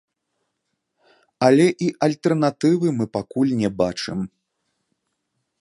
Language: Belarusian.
Але і альтэрнатывы мы пакуль не бачым.